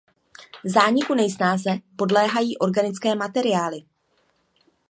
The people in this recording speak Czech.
Zániku nejsnáze podléhají organické materiály.